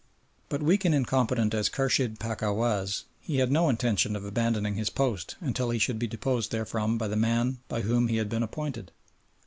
But weak and incompetent as Khurshid Pacha was, he had no intention of abandoning his post until he should be deposed therefrom by the man by whom he had been appointed.